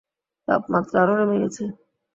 তাপমাত্রা আরো নেমে গেছে।